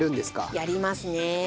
やりますね。